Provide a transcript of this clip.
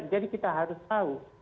jadi kita harus tahu